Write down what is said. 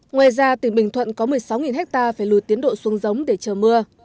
ngoài ra tỉnh bình thuận có một mươi sáu ha phải lùi tiến độ xuống giống để chờ mưa